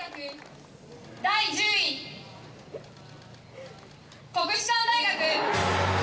第１０位、国士舘大学。